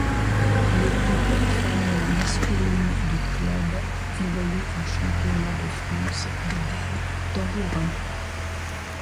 L'équipe fanion masculine du club évolue en Championnat de France de balle au tambourin.